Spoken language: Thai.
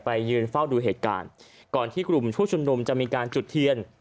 ยืนเฝ้าดูเหตุการณ์ก่อนที่กลุ่มผู้ชุมนุมจะมีการจุดเทียน